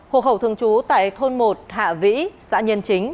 hộ khẩu thường trú tại thôn một hạ vĩ xã nhân chính